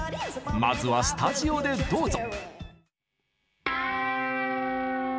まずはスタジオでどうぞ。